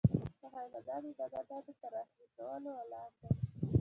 د حیواناتو او نباتاتو پر اهلي کولو ولاړ دی.